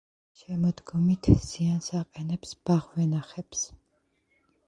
შემოდგომით ზიანს აყენებს ბაღ-ვენახებს.